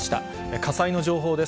火災の情報です。